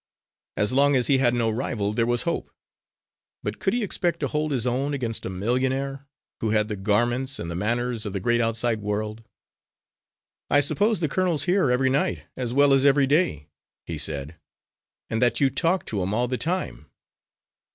As long as he had no rival there was hope. But could he expect to hold his own against a millionaire, who had the garments and the manners of the great outside world? "I suppose the colonel's here every night, as well as every day," he said, "and that you talk to him all the time."